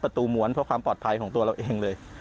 ประตูมวลเพราะความปลอดภัยของตัวเราเองเลย